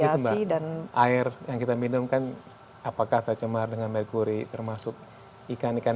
sulitnya menyebabkan air yang kita minumkan apakah tercemar dengan merkuri termasuk ikan ikan